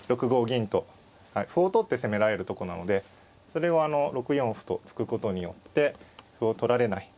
銀と歩を取って攻められるとこなのでそれを６四歩と突くことによって歩を取られない。